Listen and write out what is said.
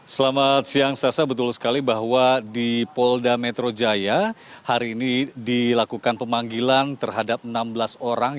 selamat siang sasa betul sekali bahwa di polda metro jaya hari ini dilakukan pemanggilan terhadap enam belas orang